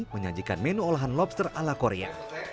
menyajikan menu olahan lobster ala korea